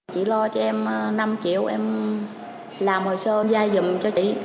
chị lo cho em năm triệu em làm hồi sơ dai dùm cho chị